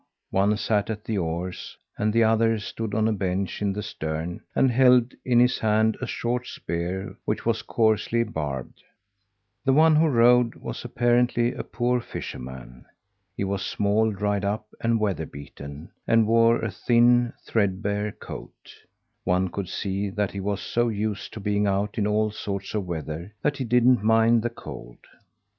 One sat at the oars, and the other stood on a bench in the stern and held in his hand a short spear which was coarsely barbed. The one who rowed was apparently a poor fisherman. He was small, dried up and weather beaten, and wore a thin, threadbare coat. One could see that he was so used to being out in all sorts of weather that he didn't mind the cold.